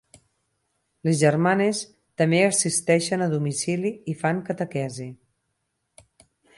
Les germanes també assisteixen a domicili i fan catequesi.